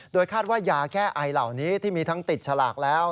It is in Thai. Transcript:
คาดว่ายาแก้ไอเหล่านี้ที่มีทั้งติดฉลากแล้ว